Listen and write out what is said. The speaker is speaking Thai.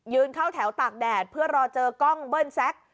เข้าแถวตากแดดเพื่อรอเจอกล้องเบิ้ลแซค